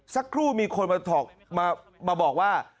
สักครู่มีคนมาบอกว่า